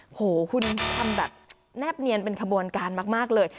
โหคุณทำแบบแนบเนียนเป็นขบวนการมากเลย